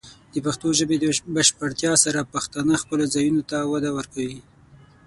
د پښتو ژبې د بشپړتیا سره، پښتانه خپلو ځایونو ته وده ورکوي.